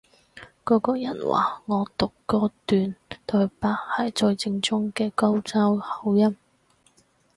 嗰個人話我讀嗰段對白係最正宗嘅高州口音